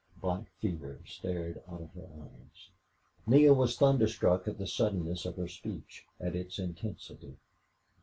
Black fear stared out of her eyes. Neale was thunderstruck at the suddenness of her speech at its intensity.